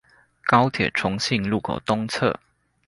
高鐵重信路口東側